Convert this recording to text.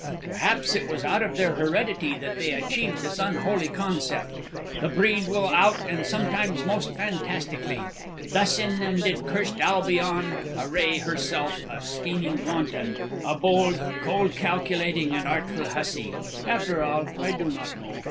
"Perhaps it was out of their heredity that they achieved this unholy concept. The breed will out and sometimes most fantastically. Thus in them did cursed Albion array herself a scheming wanton, a bold, cold calculating, and artful hussy. After all, I do not know.